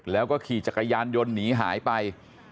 แล้วก็ขี่จักรยานยนต์หนีหายไป